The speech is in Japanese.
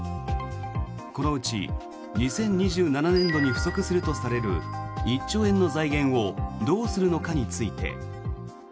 このうち２０２７年度に不足されるとされる１兆円の財源をどうするのかについて。